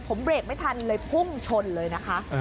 ผมเบรกไม่ทันเลยพุ่งชนเลยนะคะ